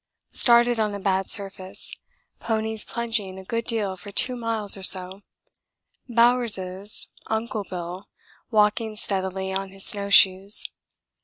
Started on a bad surface ponies plunging a good deal for 2 miles or so, Bowers' 'Uncle Bill' walking steadily on his snow shoes.